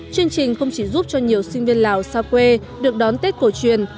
chương trình không chỉ giúp cho nhiều sinh viên lào xa quê được đón tết cổ truyền